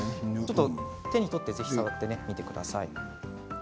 手に取ってぜひ触ってみてください。